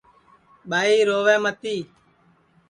ٻائی رووے متی